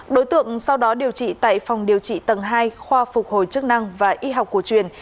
đối tượng sau đó điều trị tại phòng điều trị tầng hai khoa phục hồi chức năng và y học cổ truyền